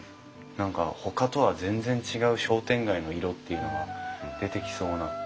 何かほかとは全然違う商店街の色っていうのが出てきそうな。